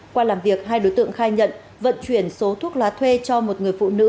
qua làm việc hai đối tượng khai nhận vận chuyển số thuốc lá thuê cho một người phụ nữ